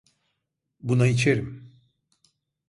Buna içerim.